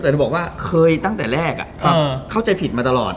แต่จะบอกว่าเคยตั้งแต่แรกเข้าใจผิดมาตลอด